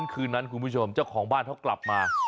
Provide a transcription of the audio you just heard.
คืนนั้นคุณผู้ชมเจ้าของบ้านเขากลับมา